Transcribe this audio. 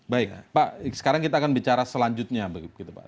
baik pak sekarang kita akan bicara selanjutnya begitu pak